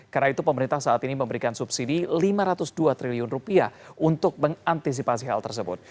karena itu pemerintah saat ini memberikan subsidi rp lima ratus dua triliun untuk mengantisipasi hal tersebut